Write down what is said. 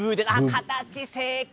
形、正解！